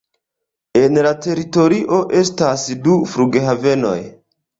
En la teritorio estas du flughavenoj.